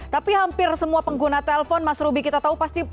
tapi hampir semua pengguna telpon mas ruby kita tahu pasti